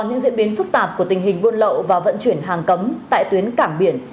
những diễn biến phức tạp của tình hình buôn lậu và vận chuyển hàng cấm tại tuyến cảng biển